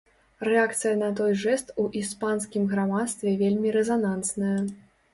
Рэакцыя на той жэст у іспанскім грамадстве вельмі рэзанансная.